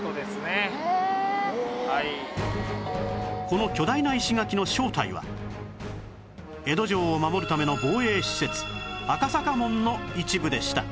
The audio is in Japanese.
この巨大な江戸城を守るための防衛施設赤坂門の一部でした